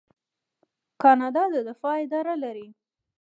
کاناډا د دفاع اداره لري.